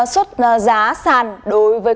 xuất giá sàn đối với